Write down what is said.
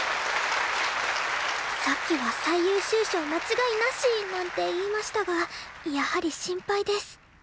さっきは最優秀賞間違いなし！なんて言いましたがやはり心配です